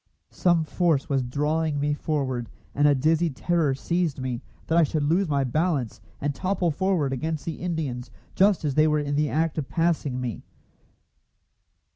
Some force was drawing me forward, and a dizzy terror seized me that I should lose my balance, and topple forward against the Indians just as they were in the act of passing me.